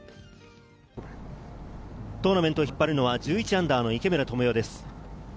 トーナメントを引っ張るのは−１１の池村寛世です。